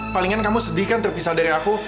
palingan kamu sedihkan terpisah dari aku